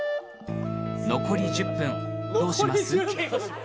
残り１０分、どうします？